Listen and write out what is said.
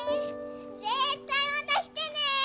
ぜーったいまた来てね！